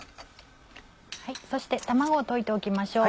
そして卵を溶いておきましょう。